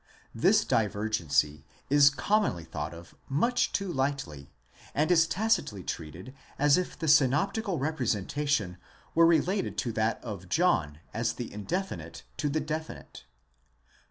This divergency is commonly thought of much too lightly, and is tacitly treated as if the synoptical representation were related to that of John as the indefinite to the definite.